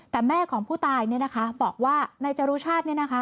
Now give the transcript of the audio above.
แต่แม่ของผู้ตายบอกว่านายจารุชาติ